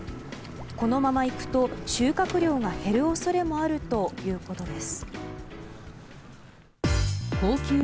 このままいくと収穫量が減る恐れもあるということです。